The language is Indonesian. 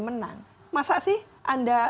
menang masa sih anda